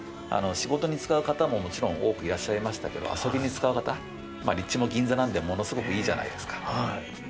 仕事に使う方も、もちろん多くいらっしゃいましたけど遊びに使う方、立地も銀座なのでものすごくいいじゃないですか。